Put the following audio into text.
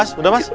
mas udah mas